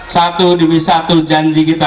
satu demi satu janji kita